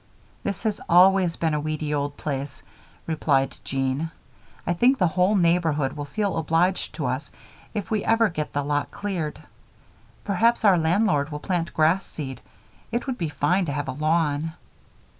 "This has always been a weedy old place," replied Jean. "I think the whole neighborhood will feel obliged to us if we ever get the lot cleared. Perhaps our landlord will plant grass seed. It would be fine to have a lawn."